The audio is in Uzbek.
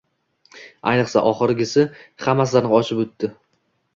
Ayniqsa oxirgisi hammasidan oshib tushdi